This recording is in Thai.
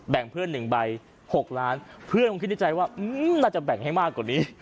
แบ่งเพื่อน๑ใบ๖๐๐๐๐๐๐พี่เพื่อนคิดในใจว่าอือน่าจะแบ่งให้มากกว่านี้